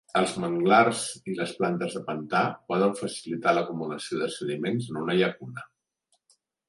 Els manglars i les plantes de pantà poden facilitar l'acumulació de sediments en una llacuna.